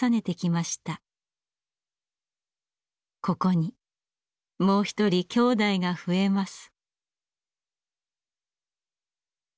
ここにもう一人きょうだいが増えます。